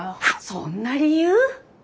そんな理由？